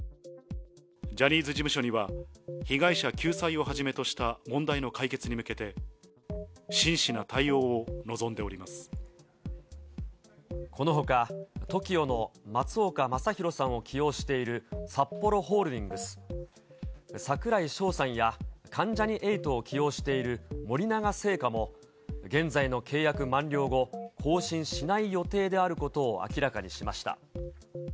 ジャニーズ事務所には、被害者救済をはじめとした問題の解決に向けて、このほか、ＴＯＫＩＯの松岡昌宏さんを起用しているサッポロホールディングス、櫻井翔さんや関ジャニ∞を起用している森永製菓も、現在の契約満了後、更新しない予定であることを明らかにしました。